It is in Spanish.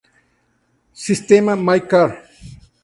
Sistema My Car.